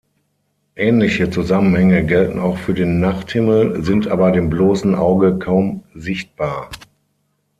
Ähnliche Zusammenhänge gelten auch für den Nachthimmel, sind aber dem bloßen Auge kaum sichtbar.